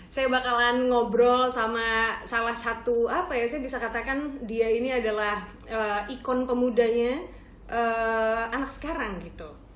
saya bakalan ngobrol sama salah satu apa ya saya bisa katakan dia ini adalah ikon pemudanya anak sekarang gitu